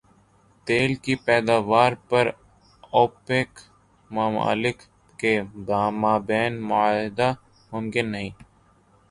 تیل کی پیداوار پر اوپیک ممالک کے مابین معاہدہ ممکن نہیں